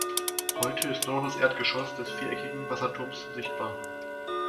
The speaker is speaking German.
Heute ist nur noch das Erdgeschoss des viereckigen Wasserturms sichtbar.